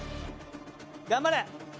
頑張れ！